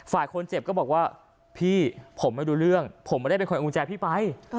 ฝ่ายคนเจ็บก็บอกว่าพี่ผมไม่รู้เรื่องผมไม่ได้เป็นคนเอากุญแจพี่ไป